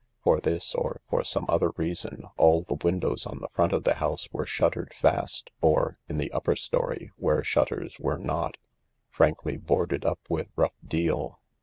For this, or for some other reason, all the windows on the front of the house were shuttered fast, or, in the upper storey where shutters were not, frankly boarded up with rough deal.